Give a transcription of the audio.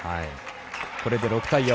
これで６対４。